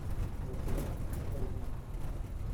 Barcelona: Ergo.